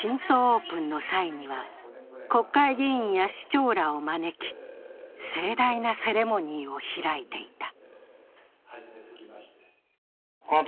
オープンの際には、国会議員や市長らを招き、盛大なセレモニーを開いていた。